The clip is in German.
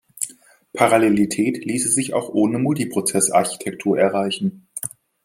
Parallelität ließe sich auch ohne Multiprozess-Architektur erreichen.